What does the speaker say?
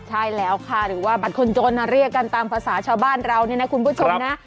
ใช่แล้วค่ะหรือว่าบัตรคนจนเรียกกันตามภาษาชาวบ้านเราเนี่ยนะคุณผู้ชมนะ